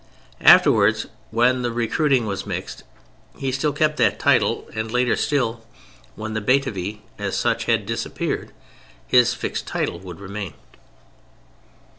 Afterwards, when the recruiting was mixed, he still kept that title and later still, when the Batavii, as such, had disappeared, his fixed title would remain.